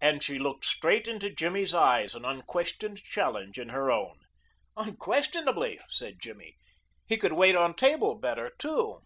And she looked straight into Jimmy's eyes, an unquestioned challenge in her own. "Unquestionably," said Jimmy. "He could wait on table better, too."